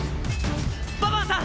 ババンさん